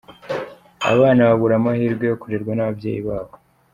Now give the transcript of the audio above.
Abana babura amahirwe yo kurerwa n’ababyeyi babo.